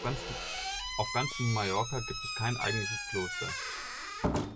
Auf ganz Mallorca gibt es kein eigentliches „Kloster“.